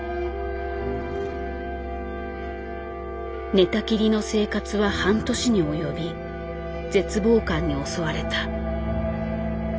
寝たきりの生活は半年におよび絶望感に襲われた。